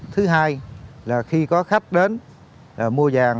thứ hai là khi có khách đến mua vàng